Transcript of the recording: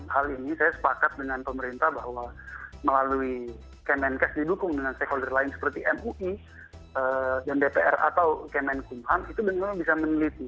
hal ini saya sepakat dengan pemerintah bahwa melalui kemenkes didukung dengan stakeholder lain seperti mui dan dpr atau kemenkumham itu benar benar bisa meneliti